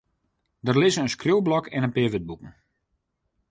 Der lizze in skriuwblok en in pear wurdboeken.